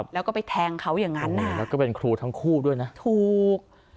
แล้วก็ไปแทงเขาอย่างนั้นแล้วก็เป็นครูทั้งคู่ด้วยนะถูก